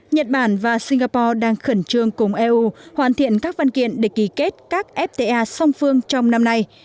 nhật bản và singapore đang khẩn trương cùng eu hoàn thiện các văn kiện để ký kết các fta song phương trong năm nay